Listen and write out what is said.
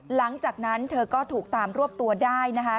หลังจากนั้นเธอก็ถูกตามรวบตัวได้นะคะ